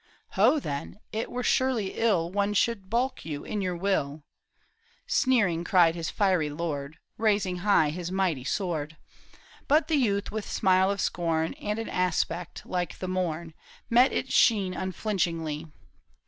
'• Ho then, it were surely ill One should balk you in your will ;"' Sneering cried his fiery lord, Raising high his mighty sword. But the youth with smile of scorn, And an aspect like the morn. Met its sheen unflinchingly.